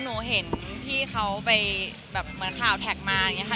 หนูเห็นพี่เขาไปแบบเหมือนข่าวแท็กมาอย่างนี้ค่ะ